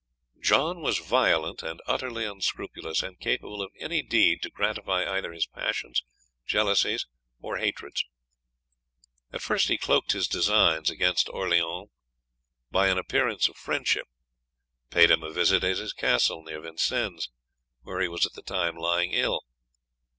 John was violent and utterly unscrupulous, and capable of any deed to gratify either his passions, jealousies, or hatreds. At first he cloaked his designs against Orleans by an appearance of friendship, paid him a visit at his castle near Vincennes, where he was at the time lying ill.